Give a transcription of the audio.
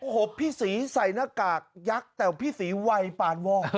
โอ้โหพี่สีใส่หน้ากากยักต์แต่ว่าพี่สีไหวปาดว่อง